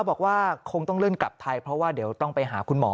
บอกว่าคงต้องเลื่อนกลับไทยเพราะว่าเดี๋ยวต้องไปหาคุณหมอ